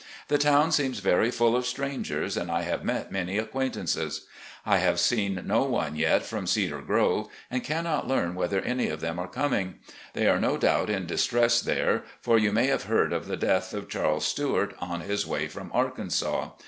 The town seems very full of strangers, and I have met many acquaintances. I have seen no one yet from 'Cedar Grove,' and cannot learn whether any of them are coming. They are no doubt in distress there, for you may have heard of the death of Charles Stuart, on his way from Arkansas.